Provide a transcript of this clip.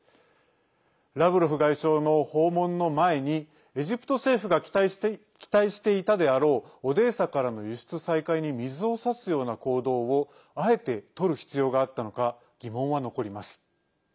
ラブロフ外相の訪問の前にエジプト政府が期待していたであろうオデーサからの輸出再開に水を差すような行動をあえてとる必要があったのか疑問は残ります。